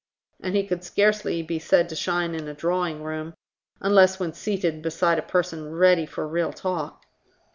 And he could scarcely be said to shine in a drawingroom, unless when seated beside a person ready for real talk.